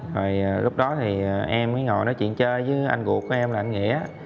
rồi lúc đó thì em mới ngồi nói chuyện chơi với anh ruột của em là anh nghĩa